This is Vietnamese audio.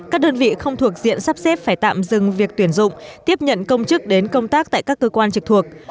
các đơn vị không thuộc diện sắp xếp phải tạm dừng việc tuyển dụng tiếp nhận công chức đến công tác tại các cơ quan trực thuộc